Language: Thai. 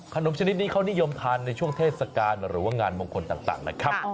ชนิดนี้เขานิยมทานในช่วงเทศกาลหรือว่างานมงคลต่างนะครับ